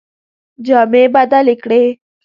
جامې بدلي کړې.